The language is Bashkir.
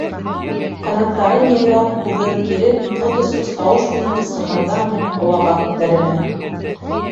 Ҡанаттарын яйлап һуҙып-киреп, ҡот осҡос тауыш менән ҡысҡырғандан һуң, һауаға күтәрелә.